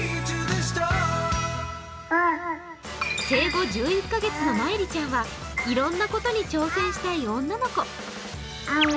生後１１カ月のまいりちゃんはいろんなことに挑戦したい女の子。